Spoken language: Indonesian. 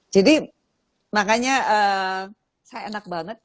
jadi makanya saya enak banget